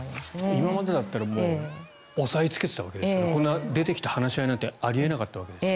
今までだったら押さえつけていたわけですがこんな出てきて話し合いなんてあり得なかったわけですよね。